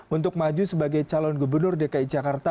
untuk maju sebagai calon gubernur dki jakarta